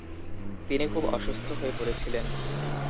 তিনি খুব অসুস্থ হয়ে পড়েছিলেন।